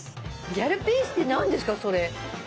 ギャルピースって何ですかそれ？